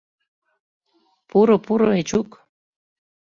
Пуро, пуро, Эчук.